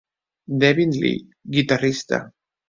Devin Lee, guitarrista.